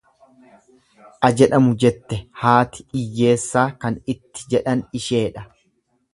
Ajedhamu jette haati iyyeessaa kan itti jedhan isheedha.